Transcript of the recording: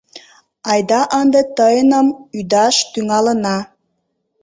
— Айда ынде тыйыным ӱдаш тӱҥалына...